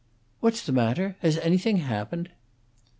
"What is the matter? Has anything happened?"